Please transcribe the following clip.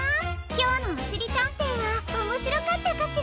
きょうの「おしりたんてい」はおもしろかったかしら？